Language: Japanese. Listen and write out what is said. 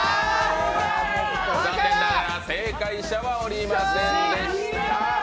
残念ながら、正解者はおりませんでした。